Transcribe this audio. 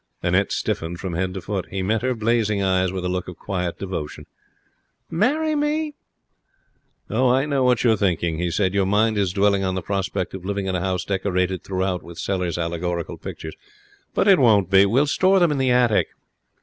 Annette stiffened from head to foot. He met her blazing eyes with a look of quiet devotion. 'Marry me?' 'I know what you are thinking,' he said. 'Your mind is dwelling on the prospect of living in a house decorated throughout with Sellers' allegorical pictures. But it won't be. We'll store them in the attic.'